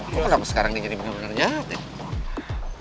kok kenapa sekarang dia jadi benar benar nyatanya